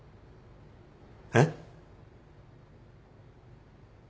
えっ？